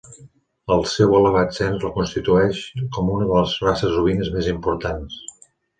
El seu elevat cens la constitueix com una de les races ovines més importants.